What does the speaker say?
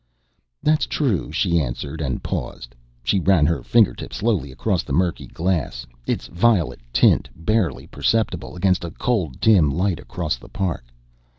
"That's true," she answered and paused. She ran her fingertip slowly across the murky glass, its violet tint barely perceptible against a cold dim light across the park.